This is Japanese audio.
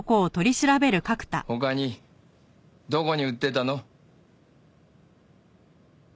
他にどこに売ってたの？